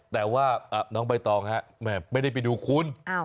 แต่ว่าน้องใบตองฮะไม่ได้ไปดูคุณ